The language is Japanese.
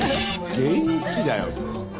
元気だよ。